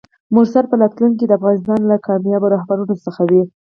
مرسل به په راتلونکي کې د افغانستان یو له کاميابو رهبرانو څخه وي!